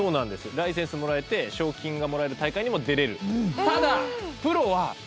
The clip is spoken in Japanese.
ライセンスもらえて賞金がもらえる大会にも出れる。